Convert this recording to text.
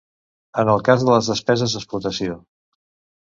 En el cas de les despeses d'explotació.